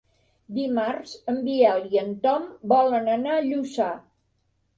Dimarts en Biel i en Tom volen anar a Lluçà.